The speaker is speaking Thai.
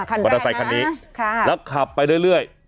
อ่าคันแรกนะฮะค่ะแล้วขับไปเรื่อย